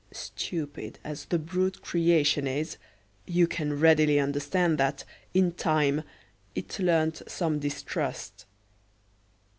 Stupid as the brute creation is, you can readily understand that, in time, it learnt some distrust.